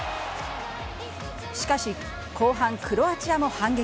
しかし後半、クロアチアも反撃。